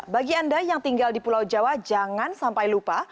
bagi anda yang tinggal di pulau jawa jangan sampai lupa